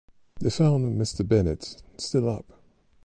They found Mr. Bennet still up.